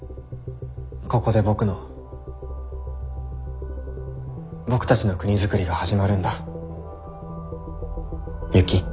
ここで僕の僕たちの国づくりが始まるんだユキ。